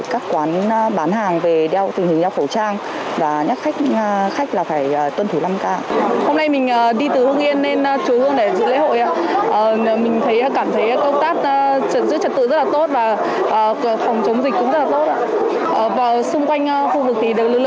và xung quanh khu vực thì được lực lượng công an bảo vệ rất là tốt